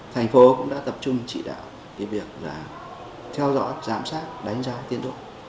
thành phố cũng đã tập trung trị đạo việc theo dõi giám sát đánh giá tiến độ